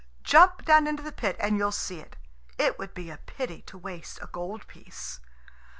"Jump down into the pit and you'll see it. It would be a pity to waste a gold piece."